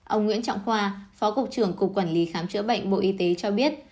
ông nguyễn trọng khoa phó cục trưởng cục quản lý khám chữa bệnh bộ y tế cho biết